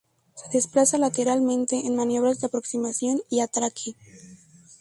Se desplaza lateralmente en maniobras de aproximación y atraque.